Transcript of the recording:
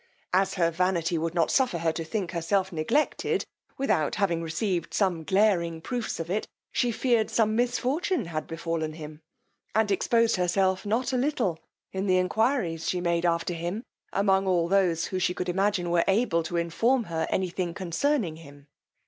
As her vanity would not suffer her to think herself neglected, without having received some glaring proofs of it, she feared some misfortune had befallen him, and exposed herself not a little in the enquiries she made after him, among all those who she could imagine were able to inform her any thing concerning him.